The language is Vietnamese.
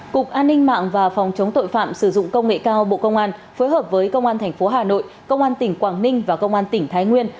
cục an ninh mạng và phòng chống tội phạm sử dụng công nghệ cao bộ công an phối hợp với công an tp hà nội công an tỉnh quảng ninh và công an tỉnh thái nguyên